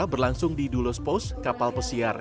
berlangsung di dulos pos kapal pesiar